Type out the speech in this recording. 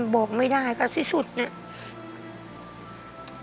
บอกไม่ได้ค่ะที่สุดเนี่ย